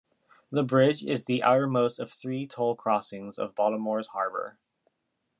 The bridge is the outermost of three toll crossings of Baltimore's Harbor.